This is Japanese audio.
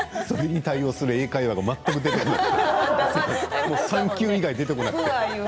それに対応する英会話が全く出てこない。